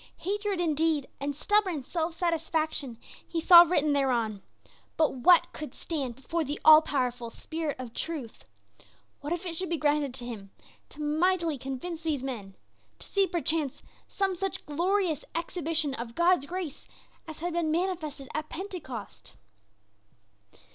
Hatred indeed and stubborn self satisfaction he saw written thereon, but what could stand before the all powerful spirit of truth? What if it should be granted him to mightily convince these men; to see, perchance, some such glorious exhibition of God's grace as had been manifested at Pentecost.